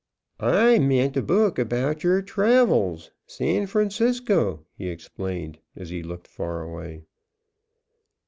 "I meant a book about yer travels t' San Francisco," he explained, as he looked far away.